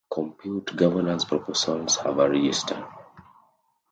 Compute governance proposals have a register.